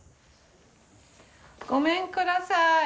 ごめんください。